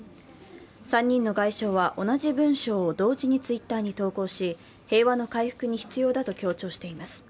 ３人の外相は同じ文章を同時にＴｗｉｔｔｅｒに投稿し、平和の回復に必要だと強調しています。